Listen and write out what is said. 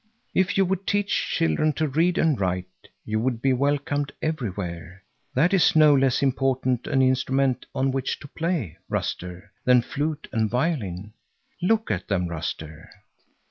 If you would teach children to read and write, you would be welcomed everywhere. That is no less important an instrument on which to play, Ruster, than flute and violin. Look at them, Ruster!"